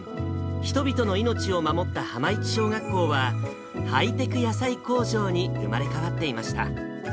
人々の命を守った浜市小学校は、ハイテク野菜工場に生まれ変わっていました。